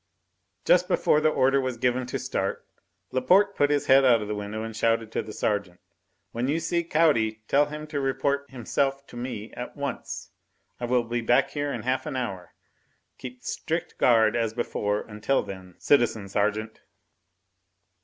Just before the order was given to start, Laporte put his head out of the window and shouted to the sergeant: "When you see Caudy tell him to report himself to me at once. I will be back here in half an hour; keep strict guard as before until then, citizen sergeant."